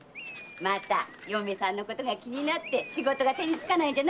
また嫁さんのことが気になって仕事が手につかないんだろ？